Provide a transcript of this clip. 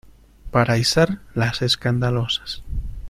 para izar las escandalosas.